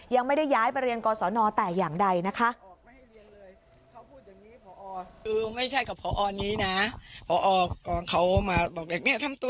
ยังไม่ได้ย้ายไปเรียนกศนแต่อย่างใดนะคะ